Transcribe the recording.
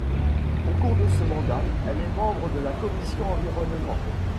Au cours de ce mandat, elle est membre de la Commission environnement.